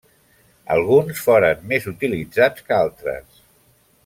Alguns foren més utilitzats que altres.